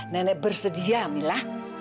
nenek bersedia mila